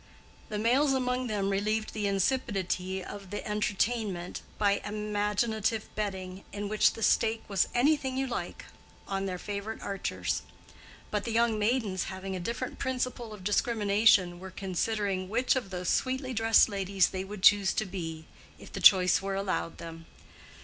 The males among them relieved the insipidity of the entertainment by imaginative betting, in which the stake was "anything you like," on their favorite archers; but the young maidens, having a different principle of discrimination, were considering which of those sweetly dressed ladies they would choose to be, if the choice were allowed them.